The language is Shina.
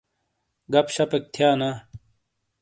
گَپ شَپیک تھِیا نا۔